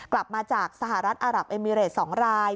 กลับมาจากสหรัฐอารับเอมิเรต๒ราย